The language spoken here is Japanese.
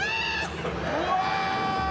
うわ！